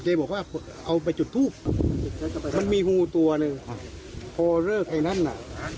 บอกว่าเอาไปจุดทูบมันมีงูตัวหนึ่งพอเลิกไอ้นั่นน่ะ